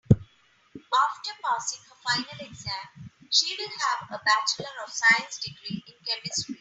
After passing her final exam she will have a bachelor of science degree in chemistry.